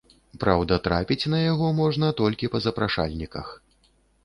Праўда, трапіць на яго можна толькі па запрашальніках.